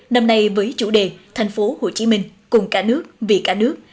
năm nay với chủ đề thành phố hồ chí minh cùng cả nước vì cả nước